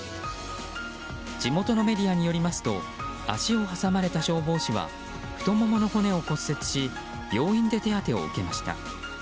地元のメディアによりますと足を挟まれた消防士は太ももの骨を骨折し病院で手当てを受けました。